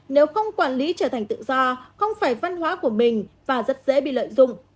nếu không quản lý trở thành tự do không phải văn hóa của mình và rất dễ bị lợi dụng